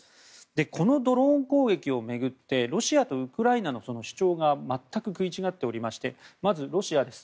このドローン攻撃を巡ってロシアとウクライナの主張が全く食い違っておりましてまずロシアです。